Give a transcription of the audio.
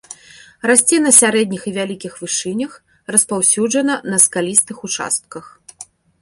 Расце на сярэдніх і вялікіх вышынях, распаўсюджана на скалістых участках.